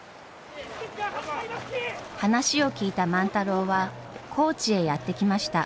話を聞いた万太郎は高知へやって来ました。